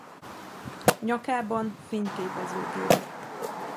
Nyakában fényképezőgép.